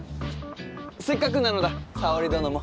せっかくなのだ沙織殿も。